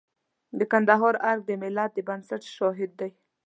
د کندهار ارګ د ملت د بنسټ شاهد دی.